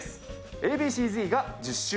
Ａ．Ｂ．Ｃ−Ｚが１０周年。